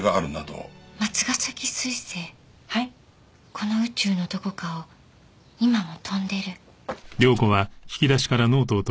この宇宙のどこかを今も飛んでる。